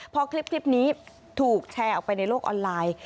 พอคลิปนี้ถูกแชร์ออกไปในโลกออนไลน์